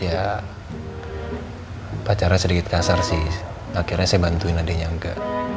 ya pacarnya sedikit kasar sih akhirnya saya bantuin adeknya angga